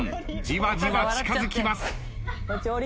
じわじわ近づきます。